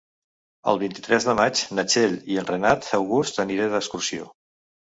El vint-i-tres de maig na Txell i en Renat August aniré d'excursió.